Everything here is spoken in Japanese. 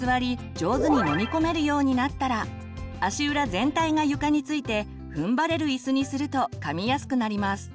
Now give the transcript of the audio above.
上手に飲み込めるようになったら足裏全体が床についてふんばれる椅子にするとかみやすくなります。